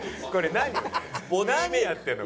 何やってんの？